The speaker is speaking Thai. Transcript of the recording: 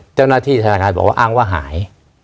เจ้าหน้าที่บอกว่าอ้างว่าหาย